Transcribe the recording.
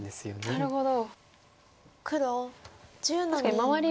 なるほど。